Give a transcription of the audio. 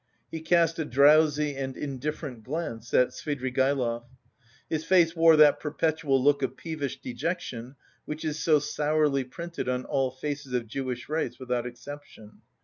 He cast a drowsy and indifferent glance at Svidrigaïlov. His face wore that perpetual look of peevish dejection, which is so sourly printed on all faces of Jewish race without exception.